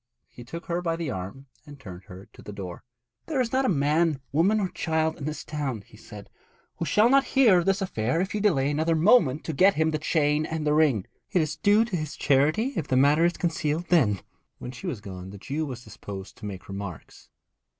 He took her by the arm and turned her to the door. 'There is not a man, woman or child in this town,' he said, 'who shall not hear of this affair if you delay another moment to get him the chain and the ring. It is due to his charity if the matter is concealed then.' When she was gone the Jew was disposed to make remarks.